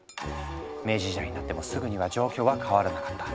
明治時代になってもすぐには状況は変わらなかった。